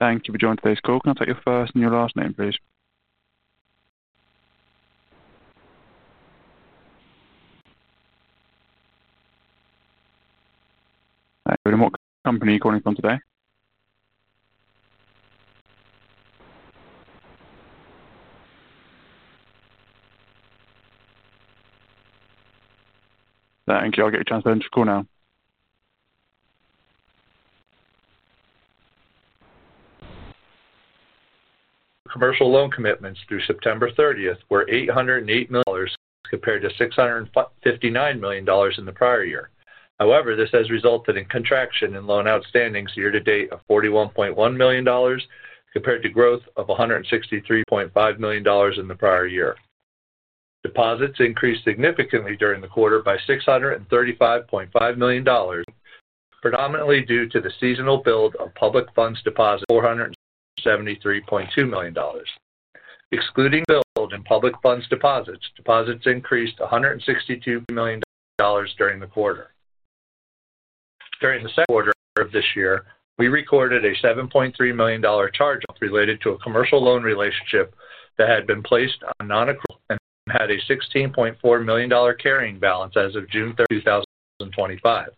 Thank you for joining today's call. Can I take your first and your last name, please? Thank you. What company are you calling from today? Thank you. I'll get you transferred into a call now. Commercial loan commitments through September 30 were $808 million, compared to $659 million in the prior year. However, this has resulted in contraction in loan outstandings year to date of $41.1 million, compared to growth of $163.5 million in the prior year. Deposits increased significantly during the quarter by $635.5 million, predominantly due to the seasonal build of public funds deposits of $473.2 million. Excluding the build in public funds deposits, deposits increased to $162 million during the quarter. During the second quarter of this year, we recorded a $7.3 million charge related to a commercial loan relationship that had been placed on non-accrual and had a $16.4 million carrying balance as of June 30, 2025.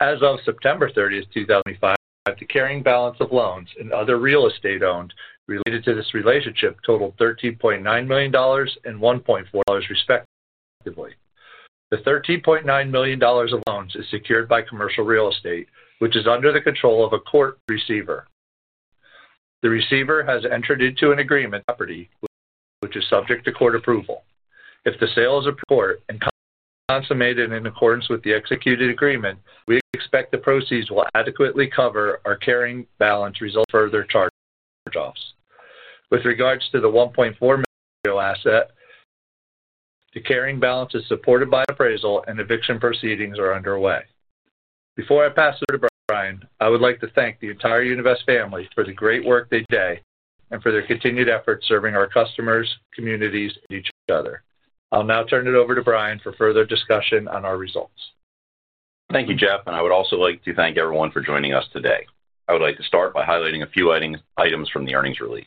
As of September 30, 2025, the carrying balance of loans and other real estate owned related to this relationship totaled $13.9 million and $1.4 million, respectively. The $13.9 million of loans is secured by commercial real estate, which is under the control of a court receiver. The receiver has entered into an agreement with the property, which is subject to court approval. If the sale is approved by the court and consummated in accordance with the executed agreement, we expect the proceeds will adequately cover our carrying balance resulting in further charge-offs. With regards to the $1.4 million asset, the carrying balance is supported by an appraisal, and eviction proceedings are underway. Before I pass it over to Brian, I would like to thank the entire Univest family for the great work they do every day and for their continued efforts serving our customers, communities, and each other. I'll now turn it over to Brian for further discussion on our results. Thank you, Jeff, and I would also like to thank everyone for joining us today. I would like to start by highlighting a few items from the earnings release.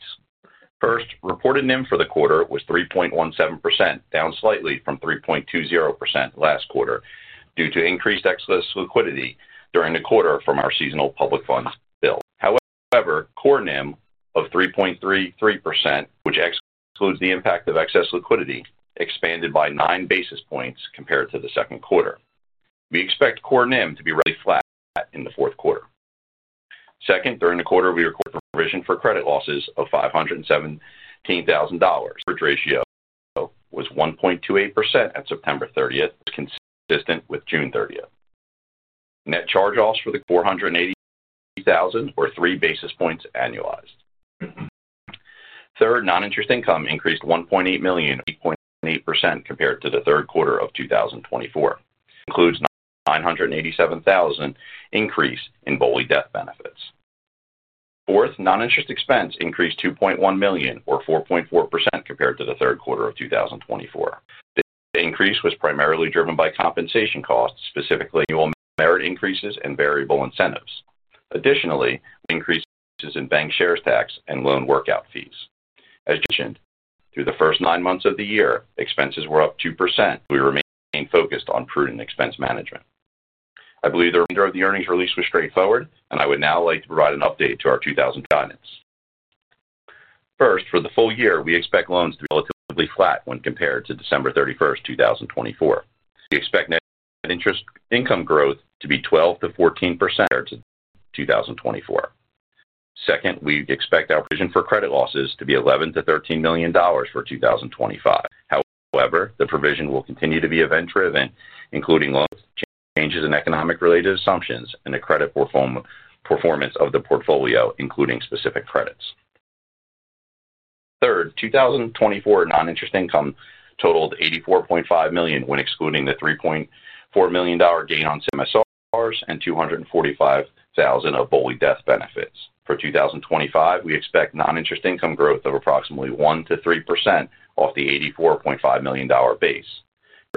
First, reported NIM for the quarter was 3.17%, down slightly from 3.20% last quarter due to increased excess liquidity during the quarter from our seasonal public funds bill. However, core NIM of 3.33%, which excludes the impact of excess liquidity, expanded by nine basis points compared to the second quarter. We expect core NIM to be relatively flat in the fourth quarter. Second, during the quarter, we recorded a provision for credit losses of $517,000. The average ratio was 1.28% at September 30, consistent with June 30. Net charge-offs for the core NIM of $480,000 were three basis points annualized. Third, non-interest income increased $1.8 million or 8.8% compared to the third quarter of 2024. This includes a $987,000 increase in BOLI death benefits. Fourth, non-interest expense increased $2.1 million or 4.4% compared to the third quarter of 2024. This increase was primarily driven by compensation costs, specifically annual merit increases and variable incentives. Additionally, increases in bank shares tax and loan workout fees. As mentioned, through the first nine months of the year, expenses were up 2%. We remain focused on prudent expense management. I believe the remainder of the earnings release was straightforward, and I would now like to provide an update to our 2024 guidance. First, for the full year, we expect loans to be relatively flat when compared to December 31, 2024. We expect net interest income growth to be 12 to 14% compared to 2024. Second, we expect our provision for credit losses to be $11 to $13 million for 2025. However, the provision will continue to be event-driven, including loan changes and economic-related assumptions and the credit performance of the portfolio, including specific credits. Third, 2024 non-interest income totaled $84.5 million when excluding the $3.4 million gain on CMSRs and $245,000 of BOLI death benefits. For 2025, we expect non-interest income growth of approximately 1 to 3% off the $84.5 million base.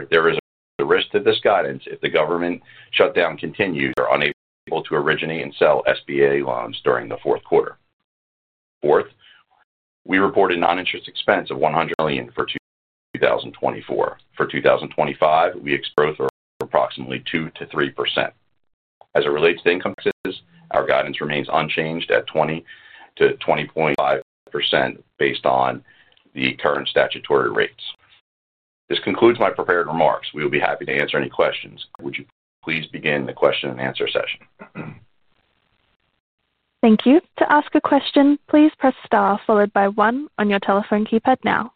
There is a risk to this guidance if the government shutdown continues or unable to originate and sell SBA loans during the fourth quarter. Fourth, we reported non-interest expense of $100 million for 2024. For 2025, we expect growth of approximately 2 to 3%. As it relates to income taxes, our guidance remains unchanged at 20 to 20.5% based on the current statutory rates. This concludes my prepared remarks. We will be happy to answer any questions. Would you please begin the question and answer session? Thank you. To ask a question, please press star followed by one on your telephone keypad now.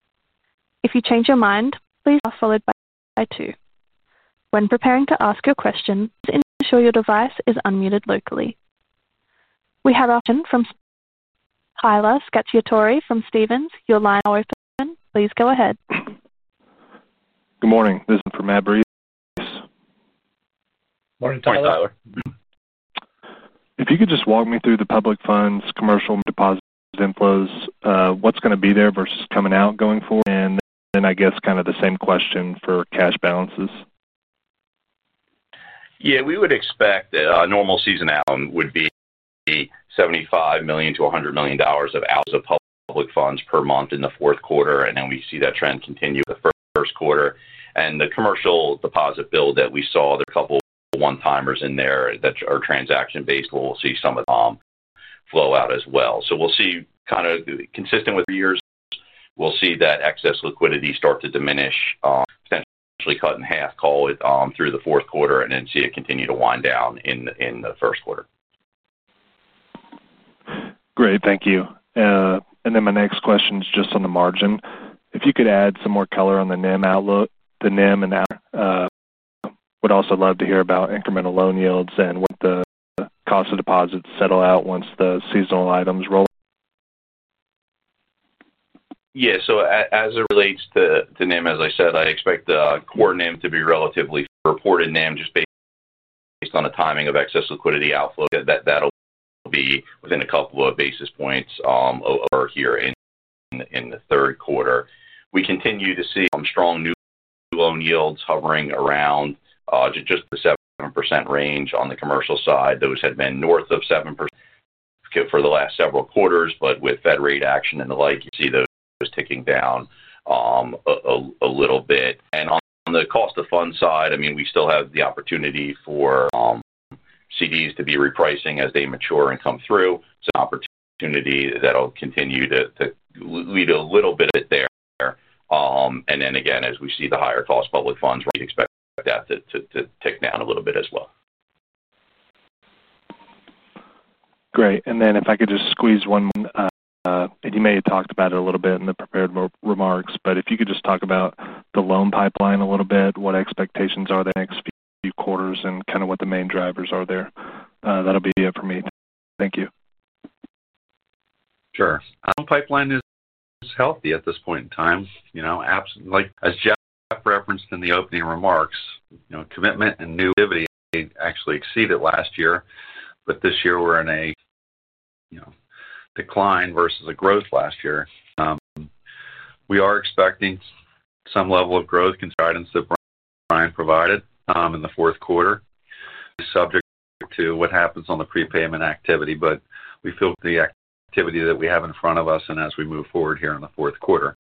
If you change your mind, please press star followed by two. When preparing to ask your question, ensure your device is unmuted locally. We have a question from Tyler Cacciatori from Stephens Inc. You're live now with Stephens. Please go ahead. Good morning. This is from Aberry. Yes. Morning. Thanks, Tyler. If you could just walk me through the public funds commercial deposit inflows, what's going to be there versus coming out going forward? I guess, kind of the same question for cash balances. Yeah. We would expect a normal season outcome would be $75 million to $100 million of outflows of public funds per month in the fourth quarter, and we see that trend continue the first quarter. The commercial deposit bill that we saw, there's a couple one-timers in there that are transaction-based, so we'll see some of them flow out as well. We will see, kind of consistent with three years, that excess liquidity start to diminish, potentially cut in half, call it, through the fourth quarter, and then see it continue to wind down in the first quarter. Great. Thank you. My next question is just on the margin. If you could add some more color on the NIM outlook, the NIM, would also love to hear about incremental loan yields and when the cost of deposits settle out once the seasonal items roll. Yeah. As it relates to NIM, as I said, I expect the core NIM to be relatively flat. Reported NIM, just based on the timing of excess liquidity outflow, that'll be within a couple of basis points over here in the third quarter. We continue to see strong new loan yields hovering around just the 7% range on the commercial side. Those had been north of 7% for the last several quarters, but with Fed rate action and the like, you see those ticking down a little bit. On the cost of funds side, I mean, we still have the opportunity for certificates of deposit to be repricing as they mature and come through. An opportunity that'll continue to lead a little bit of it there. Again, as we see the higher cost public funds, we expect that to tick down a little bit as well. Great. If I could just squeeze one more, you may have talked about it a little bit in the prepared remarks, but if you could just talk about the loan pipeline a little bit, what expectations are there in the next few quarters and what the main drivers are there. That'll be it for me. Thank you. Sure. Loan pipeline is healthy at this point in time. As Jeff referenced in the opening remarks, commitment and new activity actually exceeded last year, but this year we're in a decline versus a growth last year. We are expecting some level of growth, consistent with the guidance that Brian provided, in the fourth quarter. It's subject to what happens on the prepayment activity, but we feel the activity that we have in front of us and as we move forward here in the fourth quarter.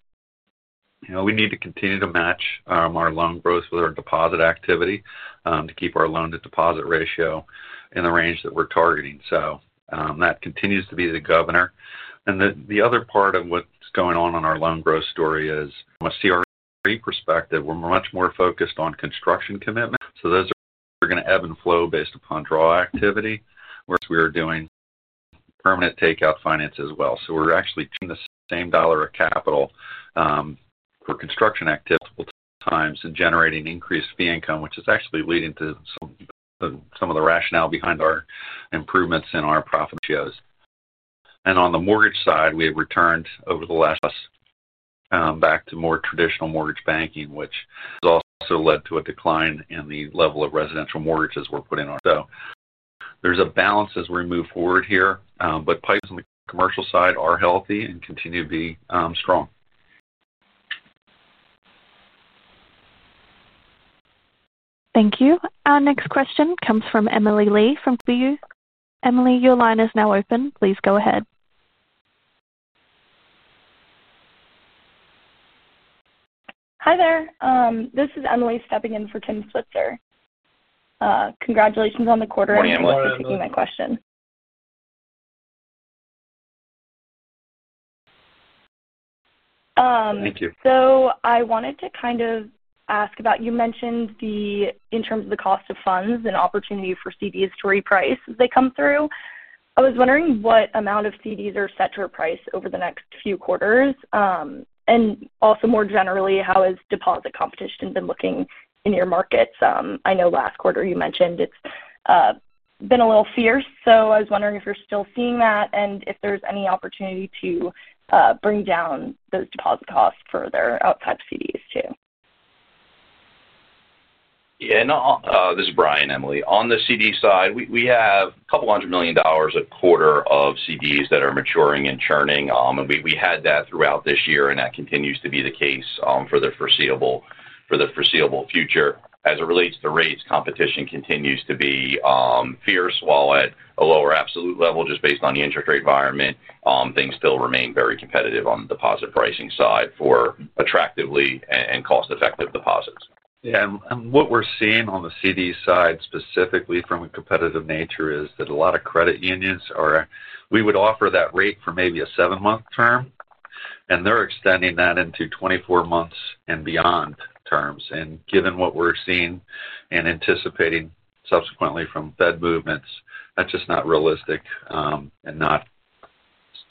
We need to continue to match our loan growth with our deposit activity to keep our loan-to-deposit ratio in the range that we're targeting. That continues to be the governor. The other part of what's going on on our loan growth story is, from a CRE perspective, we're much more focused on construction commitments. Those are going to ebb and flow based upon draw activity, whereas we are doing permanent takeout finance as well. We're actually keeping the same dollar of capital for construction activity multiple times and generating increased fee income, which is actually leading to some of the rationale behind our improvements in our profit ratios. On the mortgage side, we have returned over the last, back to more traditional mortgage banking, which has also led to a decline in the level of residential mortgages we're putting on. There's a balance as we move forward here, but pipelines on the commercial side are healthy and continue to be strong. Thank you. Our next question comes from Emily Lee from Boston University. Emily, your line is now open. Please go ahead. Hi there. This is Emily stepping in for Timothy Switzer. Congratulations on the quarter. Morning, Emily. Thanks for taking my question. Thank you. I wanted to kind of ask about, you mentioned in terms of the cost of funds and opportunity for certificates of deposit to reprice as they come through. I was wondering what amount of certificates of deposit are set to reprice over the next few quarters, and also more generally, how has deposit competition been looking in your markets? I know last quarter you mentioned it's been a little fierce, so I was wondering if you're still seeing that and if there's any opportunity to bring down those deposit costs further outside of certificates of deposit too. Yeah. No, this is Brian, Emily. On the CD side, we have a couple hundred million dollars a quarter of CDs that are maturing and churning, and we had that throughout this year, and that continues to be the case for the foreseeable future. As it relates to the rates, competition continues to be fierce while at a lower absolute level just based on the interest rate environment. Things still remain very competitive on the deposit pricing side for attractively and cost-effective deposits. What we're seeing on the CD side specifically from a competitive nature is that a lot of credit unions are, we would offer that rate for maybe a seven-month term, and they're extending that into 24 months and beyond terms. Given what we're seeing and anticipating subsequently from Fed movements, that's just not realistic, and not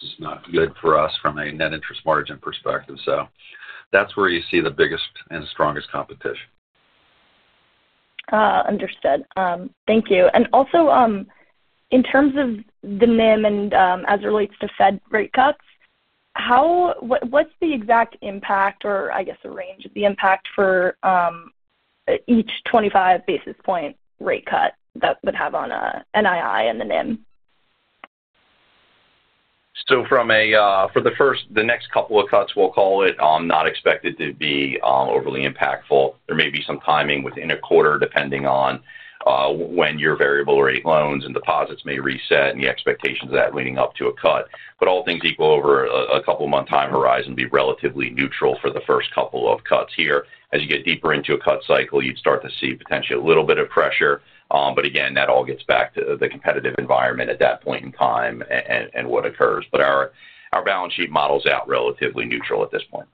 just not good for us from a net interest margin perspective. That's where you see the biggest and strongest competition. Understood. Thank you. In terms of the NIM, as it relates to Fed rate cuts, what's the exact impact or, I guess, the range of the impact for each 25 basis point rate cut that would have on NII and the NIM? For the first, the next couple of cuts, we'll call it, not expected to be overly impactful. There may be some timing within a quarter depending on when your variable rate loans and deposits may reset and the expectations of that leading up to a cut. All things equal, over a couple-month time horizon, it'd be relatively neutral for the first couple of cuts here. As you get deeper into a cut cycle, you'd start to see potentially a little bit of pressure. Again, that all gets back to the competitive environment at that point in time and what occurs. Our balance sheet models out relatively neutral at this point.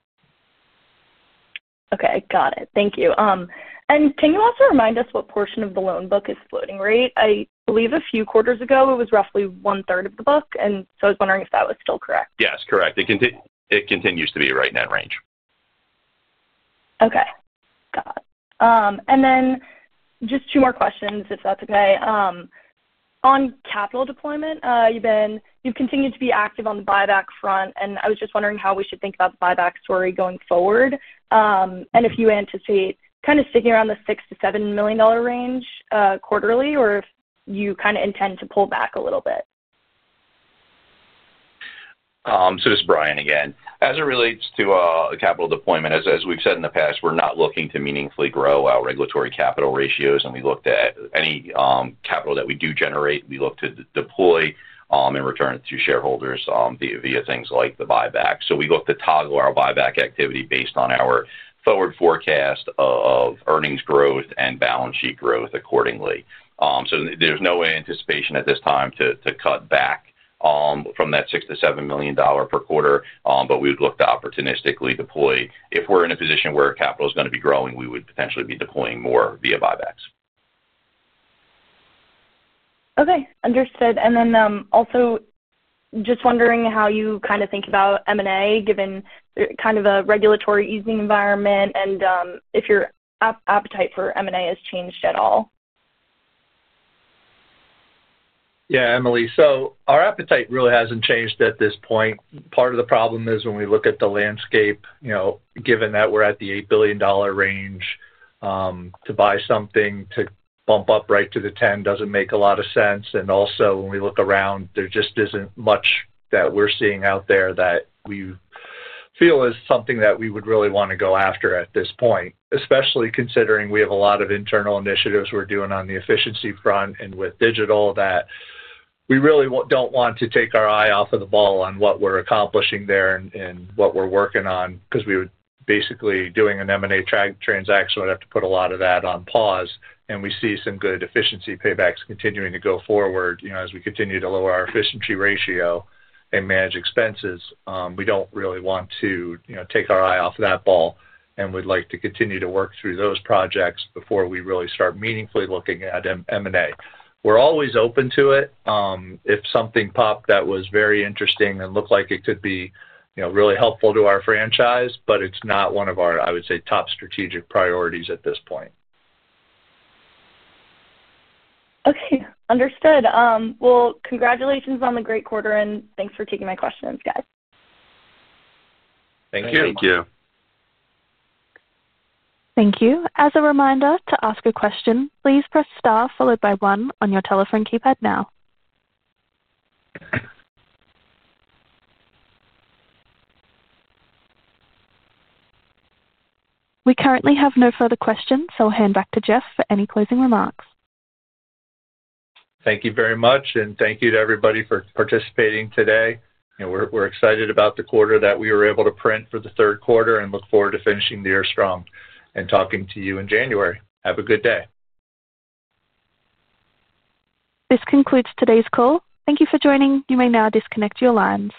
Okay. Got it. Thank you. Can you also remind us what portion of the loan book is floating rate? I believe a few quarters ago it was roughly one-third of the book, and I was wondering if that was still correct. Yes, correct. It continues to be right in that range. Okay. Got it. Just two more questions, if that's okay. On capital deployment, you've continued to be active on the buyback front, and I was just wondering how we should think about the buyback story going forward. If you anticipate kind of sticking around the $6 to $7 million range quarterly, or if you kind of intend to pull back a little bit. This is Brian again. As it relates to capital deployment, as we've said in the past, we're not looking to meaningfully grow our regulatory capital ratios, and we look at any capital that we do generate, we look to deploy and return it to shareholders via things like the buyback. We look to toggle our buyback activity based on our forward forecast of earnings growth and balance sheet growth accordingly. There's no anticipation at this time to cut back from that $6 to $7 million per quarter, but we would look to opportunistically deploy. If we're in a position where capital is going to be growing, we would potentially be deploying more via buybacks. Okay. Understood. Also, just wondering how you kind of think about M&A given kind of a regulatory easing environment, and if your appetite for M&A has changed at all. Yeah, Emily. Our appetite really hasn't changed at this point. Part of the problem is when we look at the landscape, given that we're at the $8 billion range, to buy something to bump up right to the $10 billion doesn't make a lot of sense. Also, when we look around, there just isn't much that we're seeing out there that we feel is something that we would really want to go after at this point, especially considering we have a lot of internal initiatives we're doing on the efficiency front and with digital that we really don't want to take our eye off the ball on what we're accomplishing there and what we're working on because we would basically be doing an M&A transaction, so I'd have to put a lot of that on pause. We see some good efficiency paybacks continuing to go forward as we continue to lower our efficiency ratio and manage expenses. We don't really want to take our eye off that ball, and we'd like to continue to work through those projects before we really start meaningfully looking at M&A. We're always open to it if something popped that was very interesting and looked like it could be really helpful to our franchise, but it's not one of our, I would say, top strategic priorities at this point. Okay. Understood. Congratulations on the great quarter, and thanks for taking my questions, guys. Thank you. Thank you. Thank you. As a reminder, to ask a question, please press star followed by one on your telephone keypad now. We currently have no further questions, so I'll hand back to Jeff for any closing remarks. Thank you very much, and thank you to everybody for participating today. We're excited about the quarter that we were able to print for the third quarter and look forward to finishing the year strong and talking to you in January. Have a good day. This concludes today's call. Thank you for joining. You may now disconnect your lines.